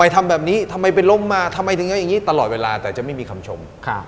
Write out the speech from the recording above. ทำแบบนี้ทำไมไปล้มมาทำไมถึงเอาอย่างนี้ตลอดเวลาแต่จะไม่มีคำชม